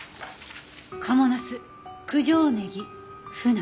「賀茂茄子九条ネギ鮒」。